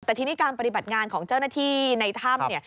แต่ทีนี้การปฏิบัติงานของเจ้าหน้าที่ในถ้ำเนี่ย